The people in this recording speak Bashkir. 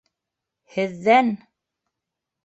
Һеҙҙән!